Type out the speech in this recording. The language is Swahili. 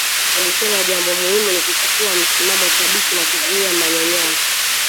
Alisema jambo muhimu ni kuchukua msimamo thabiti na kuzuia manyanyaso